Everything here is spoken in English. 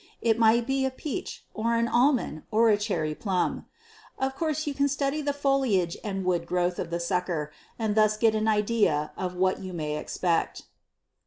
It might be a peach or an almond or a cherry plum. Of course you can study the foliage and wood growth of the sucker, and thus get an idea of what you may expect.